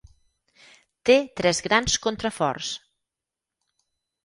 Té tres grans contraforts.